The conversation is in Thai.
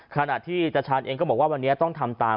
ขณะที่ตาชาญเองก็บอกว่าวันนี้ต้องทำตาม